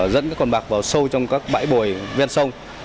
dẫn các con bạc vào sâu trong các bãi bồi ven sông